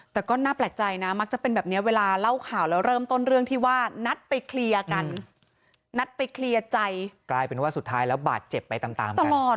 แต่ก็น่าแปลกใจนะมักจะเป็นแบบนี้เวลาเล่าข่าวแล้วเริ่มต้นเรื่องที่ว่า